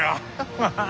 ハハハッ！